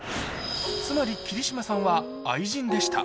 つまり桐島さんは愛人でした。